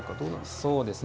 そうですね